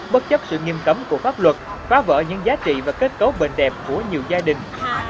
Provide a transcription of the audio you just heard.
bất chấp sự nghiêm cấm của pháp luật phá vỡ những giá trị và kết cấu bền đẹp của nhiều gia đình